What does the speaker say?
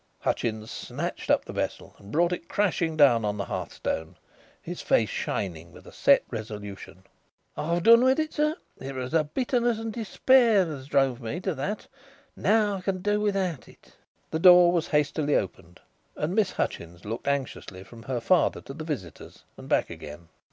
Hutchins snatched up the vessel and brought it crashing down on the hearthstone, his face shining with a set resolution. "I've done with it, sir. It was the bitterness and despair that drove me to that. Now I can do without it." The door was hastily opened and Miss Hutchins looked anxiously from her father to the visitors and back again.